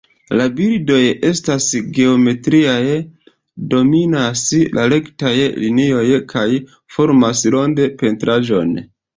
La bildoj estas geometriaj, dominas la rektaj linioj kaj formas rond-pentraĵon.